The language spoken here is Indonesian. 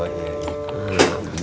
jadinya gitu kum